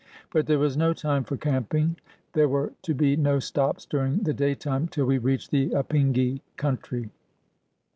But there was no time for camping. There were to be no stops during the daytime till we reached the Apingi country.